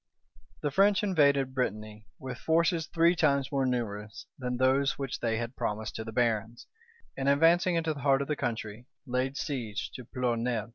The French invaded Brittany with forces three times more numerous than those which they had promised to the barons; and advancing into the heart of the country, laid siege to Ploerrnel.